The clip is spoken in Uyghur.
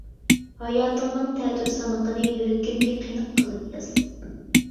ھاياتىڭنىڭ تەتۈر سانىقىنى يۈرىكىمگە قېنىق قىلىپ ياز!